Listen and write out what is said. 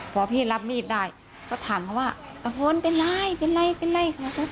พอพี่รับมีดได้ก็ถามเขาว่าตะพลเป็นไรเป็นไรเป็นไรค่ะ